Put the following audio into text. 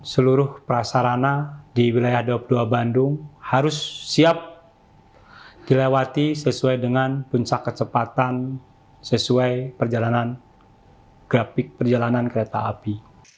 seluruh peraksaraan di wilayah daobdoa bandung harus siap dilewati sesuai dengan puncak kecepatan sesuai grafik perjalanan kereta api